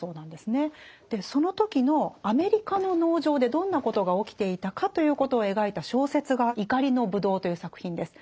その時のアメリカの農場でどんなことが起きていたかということを描いた小説が「怒りの葡萄」という作品です。